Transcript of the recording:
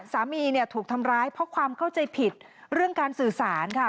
สามีเนี่ยถูกทำร้ายเพราะความเข้าใจผิดเรื่องการสื่อสารค่ะ